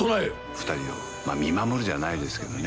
二人を見守るじゃないですけどね